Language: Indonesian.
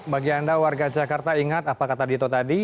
bagi anda warga jakarta ingat apa kata dito tadi